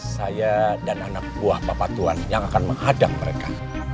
saya dan anak buah papa tuhan yang akan menghadang mereka